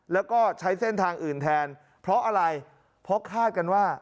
แล้วก็ใช้เส้นทางอื่นแทนเพราะอะไรเพราะคาดกันว่า